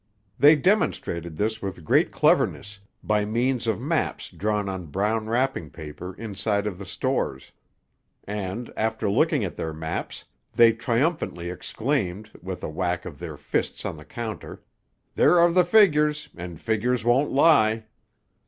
They demonstrated this with great cleverness, by means of maps drawn on brown wrapping paper inside of the stores, and, after looking at their maps, they triumphantly exclaimed, with a whack of their fists on the counter, "There are the figures; and figures won't lie."